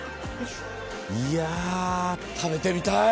いや食べてみたい！